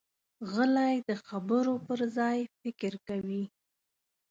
غلی، د خبرو پر ځای فکر کوي.